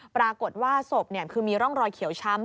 ปรากฏว่าศพคือมีร่องรอยเขียวช้ำ